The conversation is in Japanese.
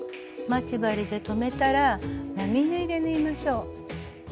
待ち針で留めたら並縫いで縫いましょう。